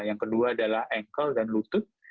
yang kedua adalah engkel dan lutut